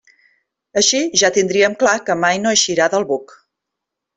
Així ja tindríem clar que mai no eixirà del buc.